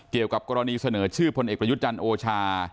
เกี่ยวกับกรณีเสนอชื่อพลเอกประยุทธ์จันทร์โอชา